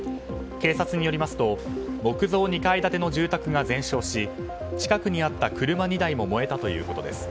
警察によりますと木造２階建ての住宅が全焼し近くにあった車２台も燃えたということです。